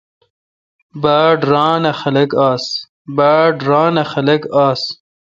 باڑ ران اؘ خلق آس ۔